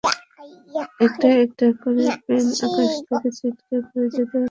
একটা একটা করে প্লেন আকাশ থেকে ছিটকে পড়ে যেতে শুরু করবে!